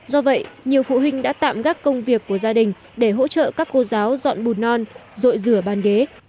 do vậy nhiều phụ huynh đã tạm gác công việc của gia đình để hỗ trợ các cô giáo dọn bùn non rồi rửa bàn ghế